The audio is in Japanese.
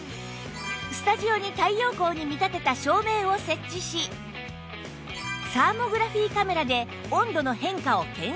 スタジオに太陽光に見立てた照明を設置しサーモグラフィーカメラで温度の変化を検証